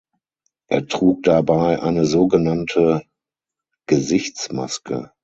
Er trug dabei eine sogenannte Gesichtsmaske.